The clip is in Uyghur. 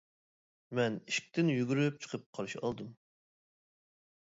مەن ئىشىكتىن يۈگۈرۈپ چىقىپ قارشى ئالدىم.